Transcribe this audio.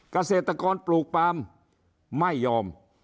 เกษตรกรปลูกปลามไม่ยอม